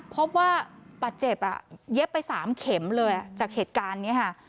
พบว่าบาดเจ็บเย็บไป๓เข็มเลยจากเหตุการณ์นี้ค่ะ